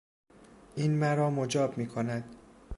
این مرا مجاب میکند.